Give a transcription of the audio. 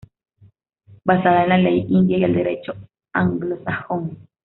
Basada en la ley india y el derecho anglosajón.